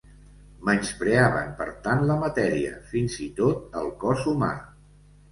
Menyspreaven per tant la matèria, fins i tot el cos humà.